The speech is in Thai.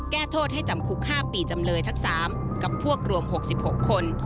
แก้โทษให้จำคุก๕ปีจำเลยทั้ง๓กับพวกรวม๖๖คน